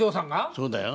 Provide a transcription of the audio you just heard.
そうだよ。